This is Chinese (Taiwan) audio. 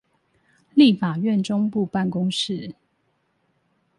立法院中部辦公室